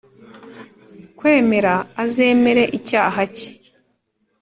Kwemera azemere icyaha cye